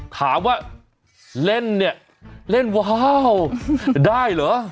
ถามว่าเล่นเนี่ยเล่นว้าวได้เหรอ